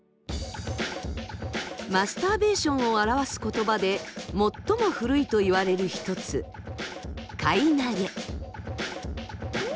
マスターベーションを表す言葉で最も古いといわれる一つ腕挙。